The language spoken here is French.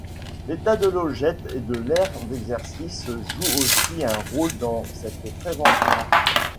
L'état des logettes et de l'air d'exercice jouent aussi un rôle dans cette prévention.